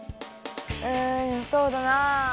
うんそうだな。